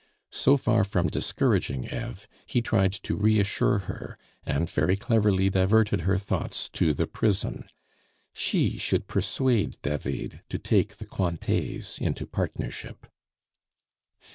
So far from discouraging Eve, he tried to reassure her, and very cleverly diverted her thoughts to the prison. She should persuade David to take the Cointets into partnership.